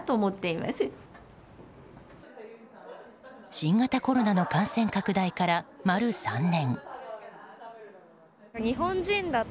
新型コロナの感染拡大から丸３年。